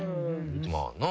まあな。